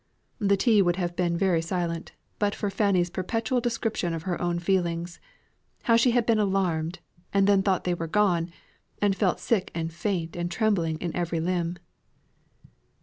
The tea would have been very silent, but for Fanny's perpetual description of her own feelings; how she had been alarmed and then thought they were gone and then felt sick and faint and trembling in every limb.